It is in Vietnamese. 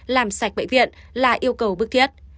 làm sạch bệnh viện là yêu cầu bước thiết